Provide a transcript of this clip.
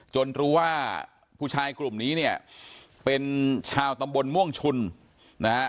รู้ว่าผู้ชายกลุ่มนี้เนี่ยเป็นชาวตำบลม่วงชุนนะฮะ